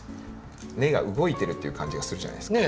根が動いてるっていう感じがするじゃないですか。